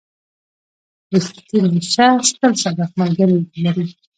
• رښتینی شخص تل صادق ملګري لري.